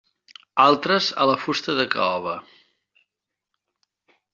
Altres a la fusta de caoba.